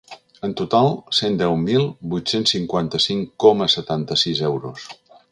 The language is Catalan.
En total, cent deu mil vuit-cents cinquanta-cinc coma setanta-sis euros.